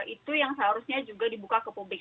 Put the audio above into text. itu yang seharusnya juga dibuka ke publik